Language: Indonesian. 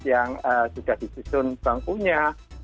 yang sudah disusun bangkunya